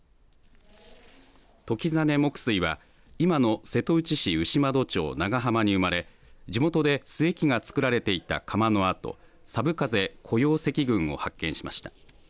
時實黙水は今の瀬戸内市牛窓町長浜に生まれ地元で須恵器が作られていた窯の跡寒風古窯跡群を発見しました。